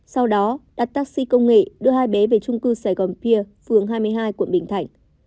sau đó đặt taxi công nghệ đưa hai bé về trung cư sài gòn pia phường hai mươi hai quận bình thạnh